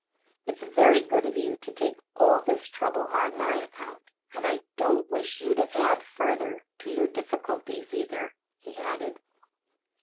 It is very good of you to take all this trouble on my account, and I don't wish you to add further to your difficulties, either," he added.